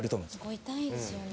ここ痛いですよね。